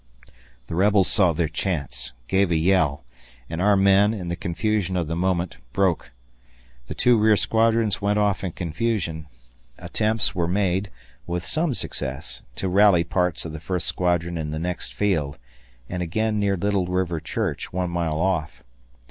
The rebels saw their chance, gave a yell, and our men, in the confusion of the moment, broke. The two rear squadrons went off in confusion. Attempts were made, with some success, to rally parts of the first squadron in the next field, and again near Little River Church, one mile off.